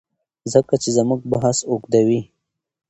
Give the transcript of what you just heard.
ځکه چي زموږ بحث اوږديوي